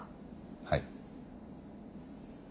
はい。